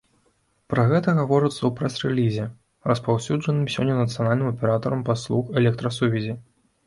Пра гэта гаворыцца ў прэс-рэлізе, распаўсюджаным сёння нацыянальным аператарам паслуг электрасувязі.